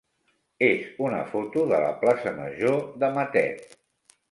és una foto de la plaça major de Matet.